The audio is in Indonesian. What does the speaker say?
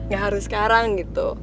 gak harus sekarang gitu